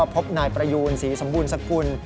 พบนายประยูนศรีสมบูรณสกุล